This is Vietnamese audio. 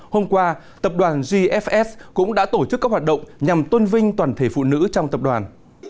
hôm qua tập đoàn gfs cũng đã tổ chức các hoạt động nhằm tôn vinh toàn thể phụ nữ trong tập đoàn